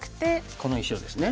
この石をですね。